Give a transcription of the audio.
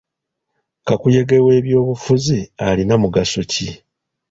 Kakuyege w'ebyobufuzi alina mugaso ki?